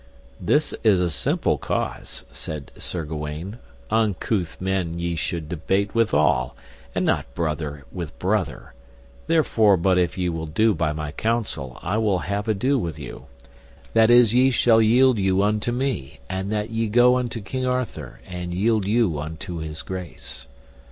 This is a simple cause, said Sir Gawaine; uncouth men ye should debate withal, and not brother with brother; therefore but if you will do by my counsel I will have ado with you, that is ye shall yield you unto me, and that ye go unto King Arthur and yield you unto his grace.